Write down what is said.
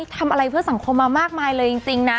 ทำอะไรเพื่อสังคมมามากมายเลยจริงนะ